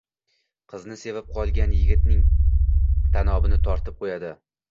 Qizini sevib qolgan yigitning tanobini tortib qo‘yadi